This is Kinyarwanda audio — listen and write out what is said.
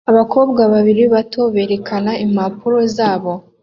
Abakobwa babiri bato berekana impapuro zabo